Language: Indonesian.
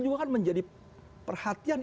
bukan menjadi perhatian